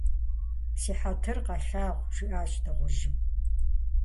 Си хьэтыр къэлъагъу, - жиӏащ дыгъужьым.